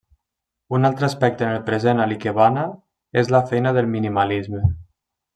Un altre aspecte en el present a l'ikebana és la feina del minimalisme.